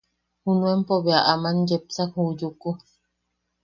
Junuenpo bea aman yepsak ju Yuku.